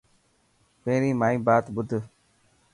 پهرين مائي بات ٻڌ.